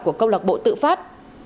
của công lạc bộ tự phát